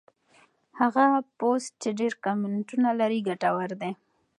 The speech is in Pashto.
هغه پوسټ چې ډېر کمنټونه لري ګټور دی.